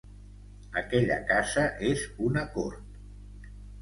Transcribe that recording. Aquella casa és una cort.